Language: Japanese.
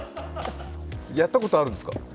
やったことあるんですか？